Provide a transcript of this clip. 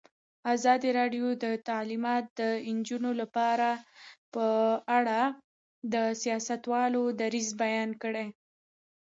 ازادي راډیو د تعلیمات د نجونو لپاره په اړه د سیاستوالو دریځ بیان کړی.